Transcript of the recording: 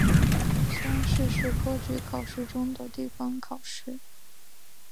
乡试是科举考试中的地方考试。